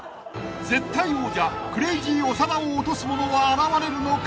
［絶対王者クレイジー長田を落とす者は現れるのか］